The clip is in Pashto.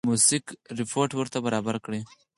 موثق رپوټ ورته برابر کړي.